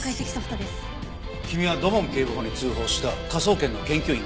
君は土門警部補に通報した科捜研の研究員か？